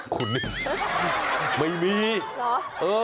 คุณนี่ไม่มีเหรอ